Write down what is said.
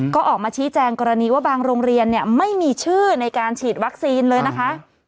ก็ออกมาชี้แจงกรณีว่าบางโรงเรียนไม่มีชื่อในการฉีดวัคซีนเลยนะคะ